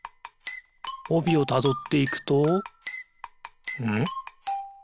おびをたどっていくとんっ？